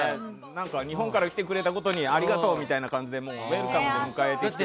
日本から来てくれたことにありがとうみたいにウェルカムで迎えてくれて。